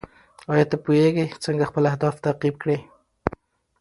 ایا ته پوهېږې څنګه خپل اهداف تعقیب کړې؟